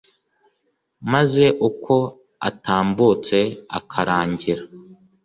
maze uko atambutse akarangira